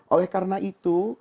oleh karena itu